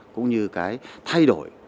cũng như cái thay đổi